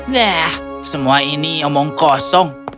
nah semua ini omong kosong